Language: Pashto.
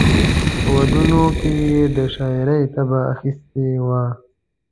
په ودونو کې یې د شاعرۍ طبع اخیستې وه.